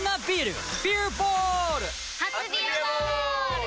初「ビアボール」！